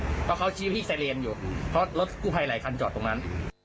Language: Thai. เพราะเขาชี้ที่ไซเรนอยู่เพราะรถกู้ภัยหลายคันจอดตรงนั้น